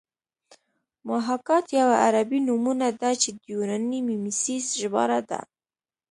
محاکات یوه عربي نومونه ده چې د یوناني میمیسیس ژباړه ده